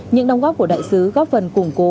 những đồng góp của đại sứ góp phần củng cố